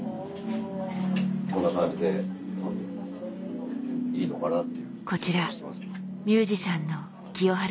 こんな感じでいいのかなっていう。